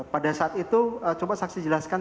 pada saat itu coba saksi jelaskan